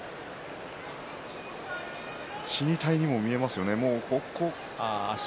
死に体にも見えますね。